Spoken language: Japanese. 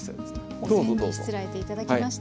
お膳にしつらえて頂きました。